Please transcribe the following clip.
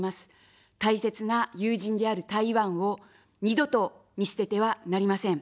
大切な友人である台湾を二度と見捨ててはなりません。